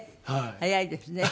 早いですね。